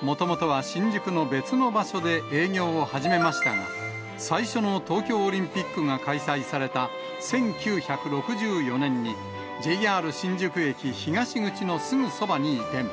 もともとは新宿の別の場所で営業を始めましたが、最初の東京オリンピックが開催された１９６４年に、ＪＲ新宿駅東口のすぐそばに移転。